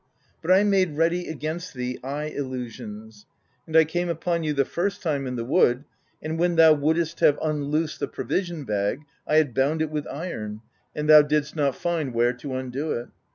But I made ready against thee eye illusions ; and I came upon you the first time in the wood, and when thou wouldst have unloosed the provision bag, I had bound it with iron, and thou didst not find where to undo it.